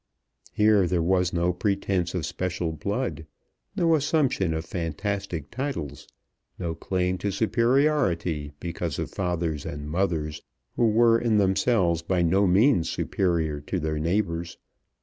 Here there was no pretence of special blood, no assumption of fantastic titles, no claim to superiority because of fathers and mothers who were in themselves by no means superior to their neighbours.